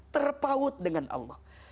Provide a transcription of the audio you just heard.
terpaut dengan allah